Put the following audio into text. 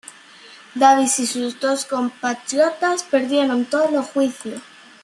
Davis y sus dos compatriotas perdieron todos los juicios.